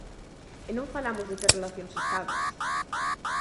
E non falamos de ter relacións estables.